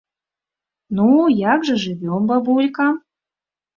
Ну, як жа жывём, бабулька?